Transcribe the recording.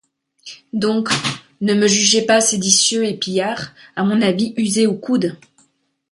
Donc, ne me jugez pas séditieux et pillard à mon habit usé aux coudes.